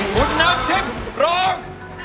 คุณน้ำทิพย์ร้อง